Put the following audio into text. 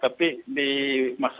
tapi di masa